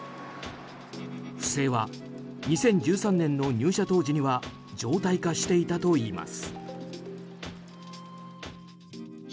不正は２０１３年の入社当時には常態化していたといいます。